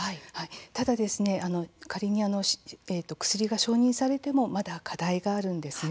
ただ、仮に薬が承認されてもまだ課題があるんです。